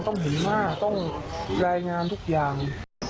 ต้องเห็นว่าต้องรายงานทุกอย่าง